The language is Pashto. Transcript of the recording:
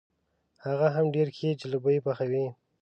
هغه هم ډېرې ښې جلبۍ پخوي.